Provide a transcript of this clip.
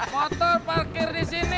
motor parkir di sini